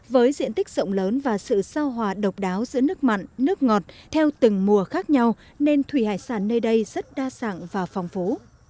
với diện tích rộng lớn và sự sao hòa độc đáo giữa nước mặn nước ngọt theo từng mùa khác nhau nên thủy hải sản nơi đây rất đa dạng và phong phú